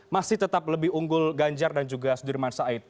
masih tetap lebih unggul ganjar dan juga sudirman said